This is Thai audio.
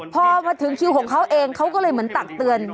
พอมาถึงคิวของเขาเองเขาก็เลยเหมือนตักเตือน